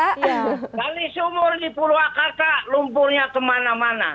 kali sumur di pulau akarta lumpurnya kemana mana